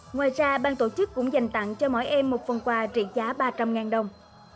ngoài ra bang tổ chức cũng dành tặng cho mỗi em một phần quà trị giá ba trăm linh đồng